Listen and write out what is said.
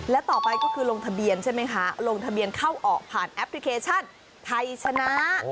และต่อไปก็คือลงทะเบียนใช่ไหมคะลงทะเบียนเข้าออกผ่านแอปพลิเคชันไทยชนะ